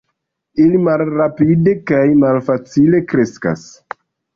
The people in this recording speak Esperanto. Ili malrapide kaj malfacile kreskas.